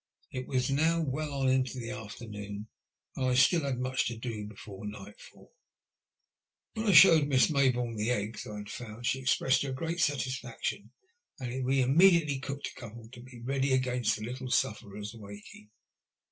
It was now well on into the aftemooni and I had still much to do before nightfall. 173 THE LUST OF HATB. \VIien I showed Miss Mayboome the eggs I had found, she expressed her great satisfaction, and we immediately cooked a couple to be ready against the little sufferer's waking.